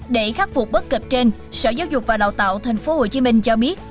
để khắc phục bất kịp trên sở giáo dục và đào tạo thành phố hồ chí minh cho biết